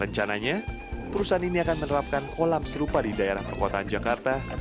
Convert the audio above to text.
rencananya perusahaan ini akan menerapkan kolam serupa di daerah perkotaan jakarta